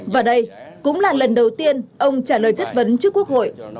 và đây cũng là lần đầu tiên ông trả lời chất vấn trước quốc hội